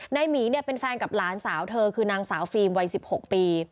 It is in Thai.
หมีเนี่ยเป็นแฟนกับหลานสาวเธอคือนางสาวฟิล์มวัย๑๖ปี